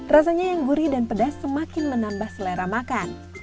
rasanya yang gurih dan pedas semakin menambah selera makan